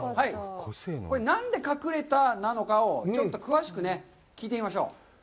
これ、何で“隠れた”なのかをちょっと詳しく聞いてみましょう。